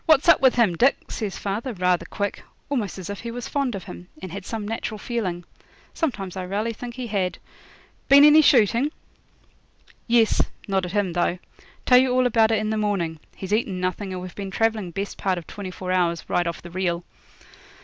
'What's up with him, Dick?' says father, rather quick, almost as if he was fond of him, and had some natural feeling sometimes I raly think he had 'been any shooting?' 'Yes; not at him, though. Tell you all about it in the morning. He's eaten nothing, and we've been travelling best part of twenty four hours right off the reel.'